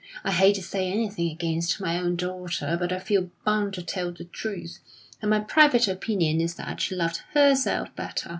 I hate to say anything against my own daughter, but I feel bound to tell the truth, and my private opinion is that she loved herself better.